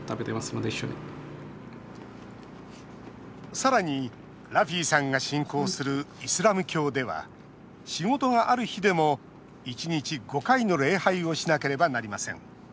さらに、ラフィさんが信仰するイスラム教では仕事がある日でも１日５回の礼拝をしなければなりません